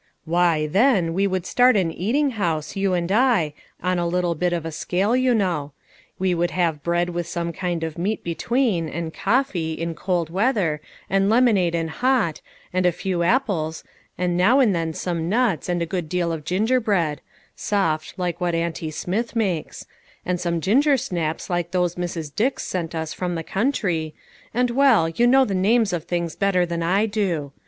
" Why, then we would start an eating house, you and I, on a little bit of a scale, you know. We would have bread with some kind of meat between, and coffee, in cold weather, and lemon ade in hot, and a few apples, and now and then 336 LITTLE FISHERS : AND THEIR NETS. some nuts, and a good deal of gingerbread soft, like what auntie Smith makes and some ginger snaps like those Mrs. Dix sent us from the country, and, well, you know the names of things better than I do.